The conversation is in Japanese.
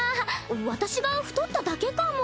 私が太っただけかも。